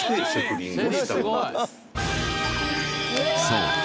そう。